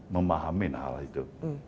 memahamin hal itu